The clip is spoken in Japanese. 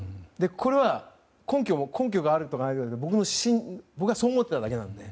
これは根拠があるとかないとかじゃなくて僕がそう思ってただけなので。